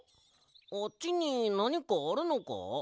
あっちになにかあるのか？